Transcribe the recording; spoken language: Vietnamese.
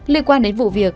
liên quan đến vụ việc